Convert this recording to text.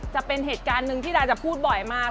จะเป็นเหตุการณ์หนึ่งที่ดาจะพูดบ่อยมาก